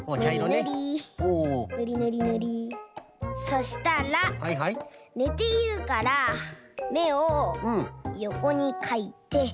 そしたらねているからめをよこにかいて。